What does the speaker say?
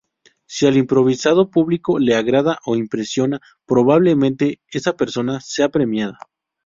Si al improvisado público le agrada o impresiona, probablemente esa persona sea premiada.